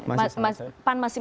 masih sangat cair